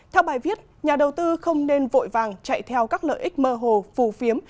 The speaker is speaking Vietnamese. theo bài viết nhà đầu tư không nên vội vàng chạy theo các lợi ích mơ hồ phù phiếm